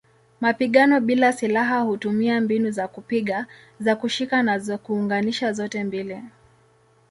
Mapigano bila silaha hutumia mbinu za kupiga, za kushika na za kuunganisha zote mbili.